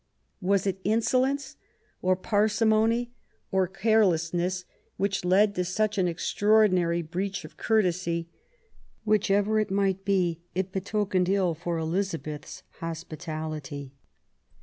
Was it insolence, or parsimony, or carelessness, which led to such an extraordinary breach of courtesy? Whichever it might be, it betokened ill for Eliza beth's hospitality.